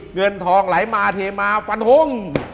เงินทองไหลมาเทมาฟันหง